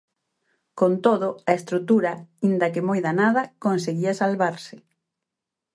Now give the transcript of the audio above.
Con todo, a estrutura, inda que moi danada, conseguía salvarse.